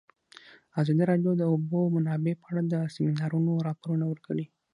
ازادي راډیو د د اوبو منابع په اړه د سیمینارونو راپورونه ورکړي.